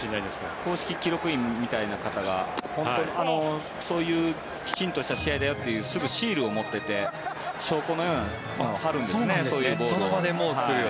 公式記録員みたいな方がそういうきちんとした試合だよというすぐにシールを持っていて証拠のようなものを貼るんですね、ボールに。